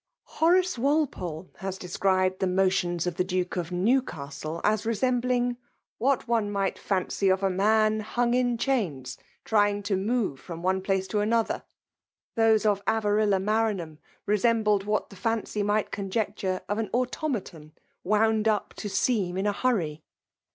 Horace Walpole has described die of the Duke of Newcastle aa resMBsbfiig " what one might fancy of a man hmg .is chains, trying to move from oae pUoe to ther :'*— those of Avarilla Maranham what the fency might conjecture of an auto mian wnumd ^ to seem in a hurry.